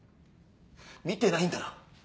見てないんだろ？